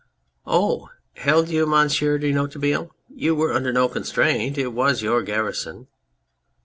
Oh ! Held you, Monsieur de Noiretable ! You were under no constraint. It was your garrison.